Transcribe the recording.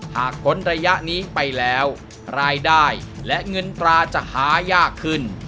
ผลระยะนี้ไปแล้วรายได้และเงินตราจะหายากขึ้น